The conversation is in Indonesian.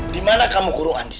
dimana kamu kurung andis